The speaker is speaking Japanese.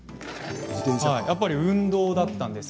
やっぱり運動だったんですよ。